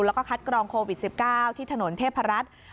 แล้วก็คัดกรองโควิด๑๙ที่ถนนเทพรัฐ